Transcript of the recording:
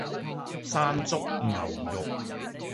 山竹牛肉